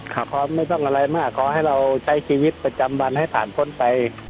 ขอไม่ต้องอะไรมากขอให้เราใช้ชีวิตประจำวันให้ผ่านพ้นไป